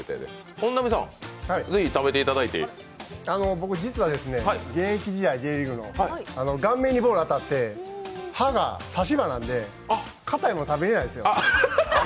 僕実はＪリーグの現役時代、顔面にボール当たって歯が差し歯なんで硬い物食べられないんですよ。